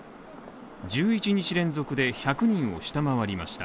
１１日連続で１００人を下回りました。